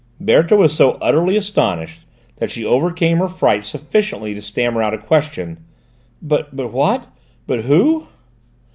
Berthe was so utterly astonished that she overcame her fright sufficiently to stammer out a question: "But what but who